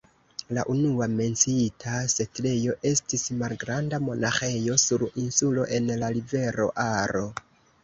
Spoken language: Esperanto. La unua menciita setlejo estis malgranda monaĥejo sur insulo en la rivero Aro.